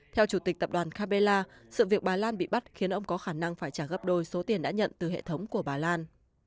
theo chủ tịch tập đoàn capella sự việc bà lan bị bắt khiến ông có khả năng phải trả gấp đôi số tiền đã nhận từ hệ thống của bà lan